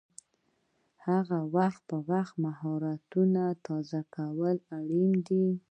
وخت پر وخت مهارتونه تازه کول اړین دي.